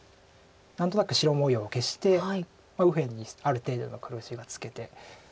何となく白模様を消して右辺にある程度の黒地がつけて。